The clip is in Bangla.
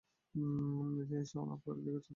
জিনিসটা অন-অফ করে দেখেছ তো?